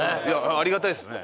ありがたいっすね